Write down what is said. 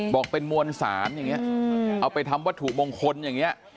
บอกเป็นมวลสารอย่างนี้เอาไปทำวัตถุมงคลอย่างนี้